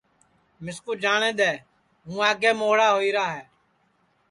مِسکُو جاٹؔدؔے ہُوں آگے مھوڑا ہوئیرا ہے